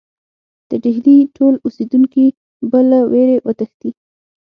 د ډهلي ټول اوسېدونکي به له وېرې وتښتي.